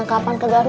tidak bisa dikawal